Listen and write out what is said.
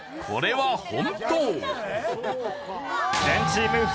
これは本当。